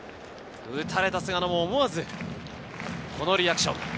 打たれた菅野も思わずこのリアクション。